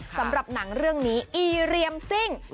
สำหรับหนังเรื่องนี้อีเรียมซิ่ง